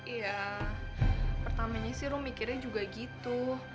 iya pertamanya sih rum mikirnya juga gitu